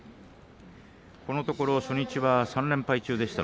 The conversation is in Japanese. このところ初日は３連敗中でした。